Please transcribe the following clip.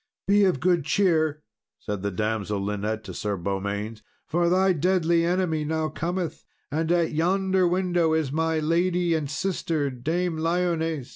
"Be of good cheer," said the damsel Linet to Sir Beaumains, "for thy deadly enemy now cometh; and at yonder window is my lady and sister, Dame Lyones."